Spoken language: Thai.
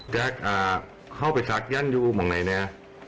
แจ็คเข้าไปศักดิ์ยันต์อยู่หวกไหนนี่